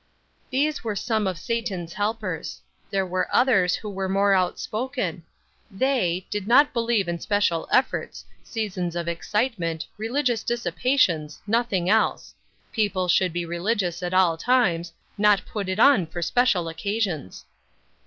These were some of Satan's helpers. There were others who were more outspoken. They "did not believe in special efforts; seasons of excitement; religious dissipations nothing else. People should be religious at all times, not put it on for special occasions."